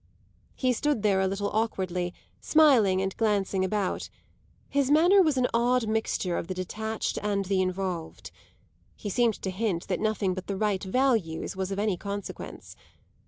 He stood there a little awkwardly, smiling and glancing about; his manner was an odd mixture of the detached and the involved. He seemed to hint that nothing but the right "values" was of any consequence.